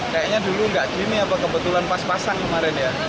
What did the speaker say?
kayaknya dulu nggak gini apa kebetulan pas pasang kemarin ya